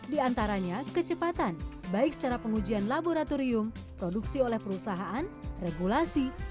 di antaranya kecepatan baik secara pengujian laboratorium produksi oleh perusahaan regulasi